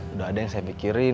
udah ada yang saya pikirin